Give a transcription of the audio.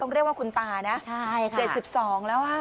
ต้องเรียกว่าคุณป่านะ๗๒แล้วอะ